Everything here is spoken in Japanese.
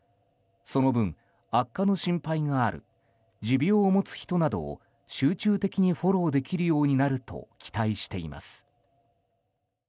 その分、悪化の心配がある持病を持つ人などを集中的にフォローできるようになると期待しています。